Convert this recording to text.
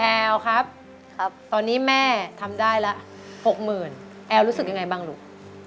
แอลครับตอนนี้แม่ทำได้ละ๖๐๐๐แอลรู้สึกยังไงบ้างลูก